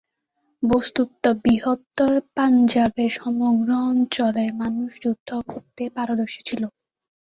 বস্তুত, বৃহত্তর পাঞ্জাবের সমগ্র অঞ্চলের মানুষ যুদ্ধ করতে পারদর্শী ছিল।